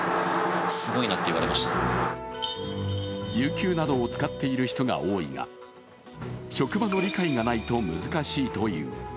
有休などを使っている人が多いが、職場の理解がないと難しいという。